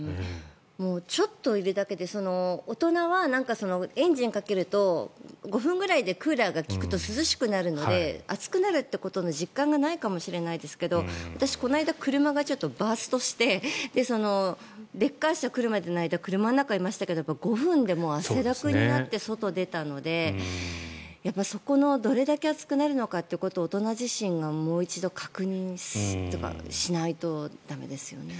ちょっといるだけで大人はエンジンをかけると５分くらいでクーラーが利くと涼しくなるので暑くなるってことの実感がないかもしれないですけど私、この間車がちょっとバーストしてレッカー車が来るまでの間車の中にいましたけど５分でもう汗だくになって外に出たのでそこのどれだけ暑くなるのかということを大人自身がもう一度確認しないと駄目ですよね。